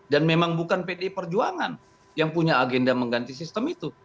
dan memang bukan pdip yang punya agenda mengganti sistem itu